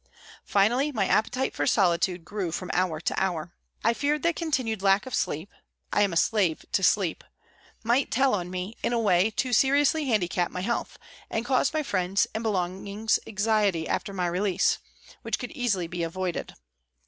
Finally, my appetite for solitude grew from hour to hour. I feared that continued lack of sleep (I am a slave to sleep) might tell on me in a way to seriously handicap my health and cause my friends and belongings anxiety after my release, which could easily be avoided.